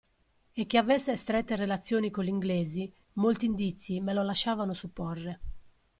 E che avesse strette relazioni con gli inglesi, molti indizi me lo lasciavano supporre.